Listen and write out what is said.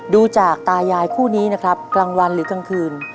ดูจากตายายคู่นี้นะครับกลางวันหรือกลางคืน